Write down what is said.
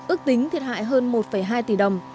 ước tính thiệt hại hơn một hai tỷ đồng